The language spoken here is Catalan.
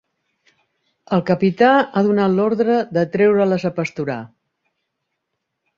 El capità ha donat l'ordre de treure-les a pasturar.